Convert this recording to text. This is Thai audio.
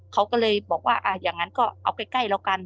เขาก็เลยบอกว่าอย่างนั้นก็เอาใกล้แล้วกัน